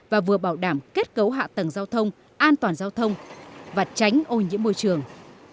và vừa bảo đảm kết cấu hạ tầng giao thông an toàn giao thông và tránh ô nhiễm môi trường